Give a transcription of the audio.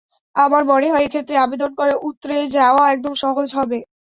আমার মনে হয়, এক্ষেত্রে আবেদন করে উৎরে যাওয়া একদম সহজ হবে।